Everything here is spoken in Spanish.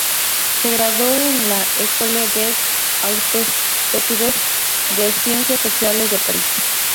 Se graduó en la Ecole des Hautes Études en Sciences Sociales de París.